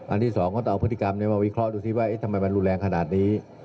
ที่สองก็ต้องเอาพฤติกรรมนี้มาวิเคราะห์ดูซิว่าทำไมมันรุนแรงขนาดนี้